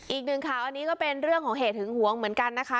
อีกหนึ่งข่าวอันนี้ก็เป็นเรื่องของเหตุหึงหวงเหมือนกันนะคะ